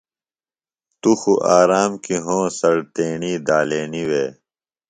تو خُو آرام کیۡ ہونسڑ تیݨی دالینیۡ وے۔